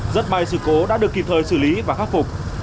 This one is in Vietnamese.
rất may sự cố đã được kịp thời xử lý và khắc phục